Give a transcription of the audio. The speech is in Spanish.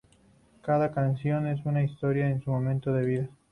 Cada canción es una historia de un momento de mi vida.